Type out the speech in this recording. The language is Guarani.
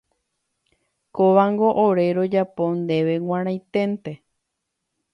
Kóvango ore rojapo ndéve g̃uarãiténte.